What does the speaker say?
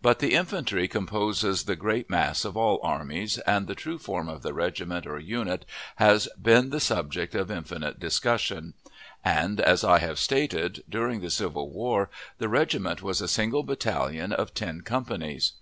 But the infantry composes the great mass of all armies, and the true form of the regiment or unit has been the subject of infinite discussion; and, as I have stated, during the civil war the regiment was a single battalion of ten companies.